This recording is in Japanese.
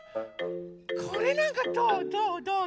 これなんかどうどうどうどう？